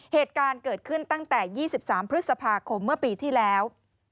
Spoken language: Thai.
เหตุการณ์เกิดขึ้นตั้งแต่๒๓พฤษภาคมเมื่อปีที่แล้ว